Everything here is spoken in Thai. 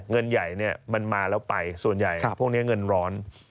เงินใหญ่มันมาแล้วไปส่วนใหญ่พวกนี้เงินร้อน